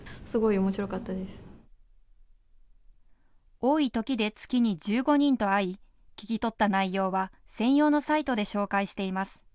多い時で月に１５人と会い聞き取った内容は専用のサイトで紹介しています。